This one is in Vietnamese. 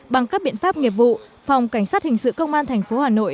bằng các biện pháp nghiệp vụ phòng cảnh sát hình sự công an tp hà nội